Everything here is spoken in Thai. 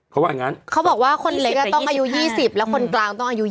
เขาบอกว่าคนเล็กต้องอายุ๒๐และคนกลางต้องอายุ๒๕